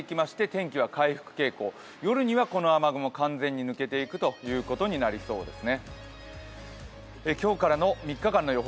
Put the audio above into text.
天気は回復傾向、夜にはこの雨雲完全に抜けていくということになりそうです。